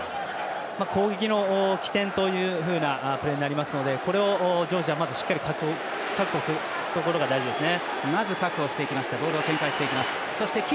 攻撃の起点というふうなプレーになりますのでこれをジョージア、まずしっかりと確保するところが大事ですね。